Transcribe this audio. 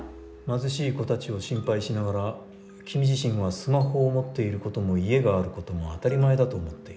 貧しい子たちを心配しながら君自身はスマホを持っていることも家があることも当たり前だと思っている。